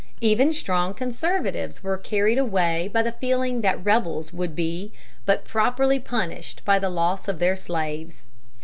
Even strong conservatives were carried away by the feeling that rebels would be but properly punished by the loss of their slaves.